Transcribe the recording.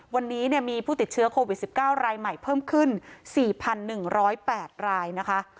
วันนี้มีผู้ติดเชื้อโควิด๑๙รายใหม่เพิ่มขึ้น๔๑๐๘รายนะคะ